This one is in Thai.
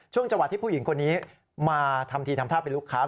จังหวะที่ผู้หญิงคนนี้มาทำทีทำท่าเป็นลูกค้า